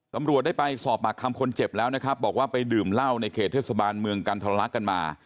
ตำรวจได้ไปสอบปากคำคนเจ็บแล้วนะครับบอกว่าไปดื่มเหล้าในเขตเทศบาลเมืองกันทรลักษณ์กันมา